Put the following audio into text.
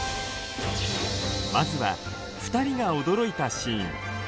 まずは、２人が驚いたシーン！